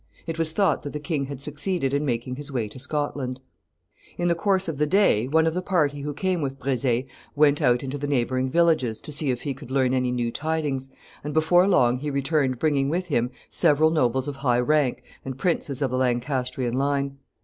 It was thought that the king had succeeded in making his way to Scotland. [Sidenote: They leave the cave.] In the course of the day, one of the party who came with Brezé went out into the neighboring villages to see if he could learn any new tidings, and before long he returned bringing with him several nobles of high rank and princes of the Lancastrian line.